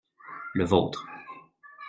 Le vôtre.